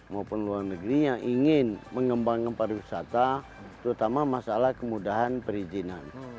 maupun luar negeri yang ingin mengembangkan pariwisata terutama masalah kemudahan perizinan